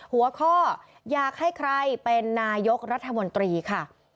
หัวข้ออยากให้ใครเป็นนายกรัฐมนตรีค่ะ